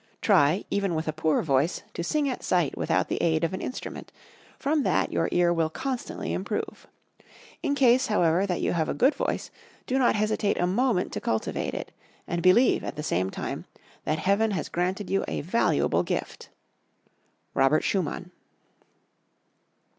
"Try, even with a poor voice, to sing at sight without the aid of an instrument; from that your ear will constantly improve. In case, however, that you have a good voice, do not hesitate a moment to cultivate it; and believe, at the same time, that heaven has granted you a valuable gift." _Robert Schumann.